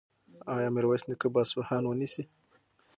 ایا میرویس نیکه به اصفهان ونیسي؟